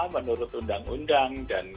menurut undang undang dan